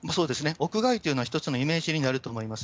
屋外というのは１つのイメージになると思います。